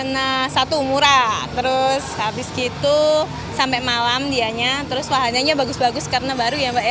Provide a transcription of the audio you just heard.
nah satu umurah terus habis gitu sampai malam dianya terus wahannya bagus bagus karena baru ya mbak ya